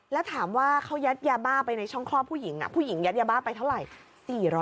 แล้วถามว่าเขายัดยาบ้าไปในช่องคลอดผู้หญิงผู้หญิงยัดยาบ้าไปเท่าไหร่